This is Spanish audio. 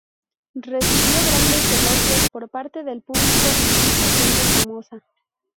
Recibió grandes elogios por parte del público y mucha gente famosa.